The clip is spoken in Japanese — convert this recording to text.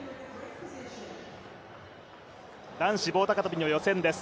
男子棒高跳の予選です。